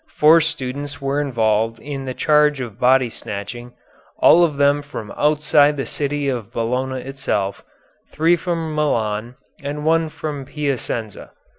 Four students were involved in the charge of body snatching, all of them from outside the city of Bologna itself, three from Milan and one from Piacenza.